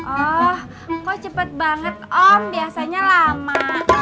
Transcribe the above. oh kok cepet banget om biasanya lama